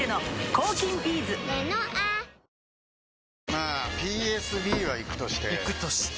まあＰＳＢはイクとしてイクとして？